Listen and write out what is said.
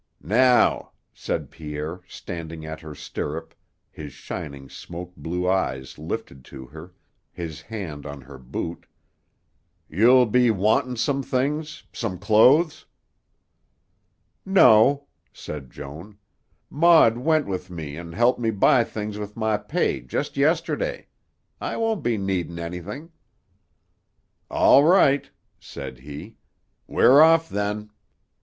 "Now," said Pierre, standing at her stirrup, his shining, smoke blue eyes lifted to her, his hand on her boot, "you'll be wantin' some things some clothes?" "No," said Joan. "Maud went with me an' helped me buy things with my pay just yesterday. I won't be needin' anything." "All right," said he. "We're off, then!"